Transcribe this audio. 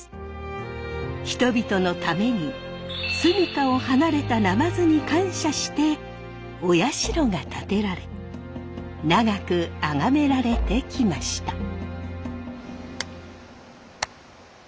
人々のために住みかを離れた鯰に感謝してお社が建てられ長くあがめられてきました。